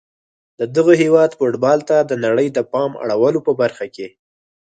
د دغه هیواد فوټبال ته د نړۍ د پام اړولو په برخه کي